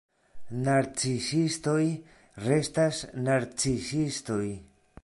Narcisistoj restas narcisistoj.